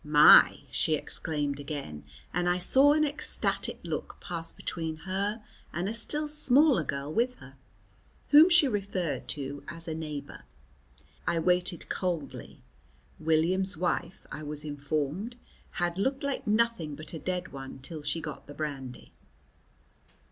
"My!" she exclaimed again, and I saw an ecstatic look pass between her and a still smaller girl with her, whom she referred to as a neighbour. I waited coldly. William's wife, I was informed, had looked like nothing but a dead one till she got the brandy.